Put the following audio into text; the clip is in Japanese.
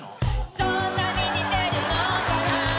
「そんなに似てるのかな」